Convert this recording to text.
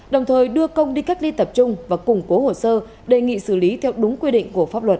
đồng thời đưa công đi cách ly tập trung và củng cố hồ sơ đề nghị xử lý theo đúng quy định của pháp luật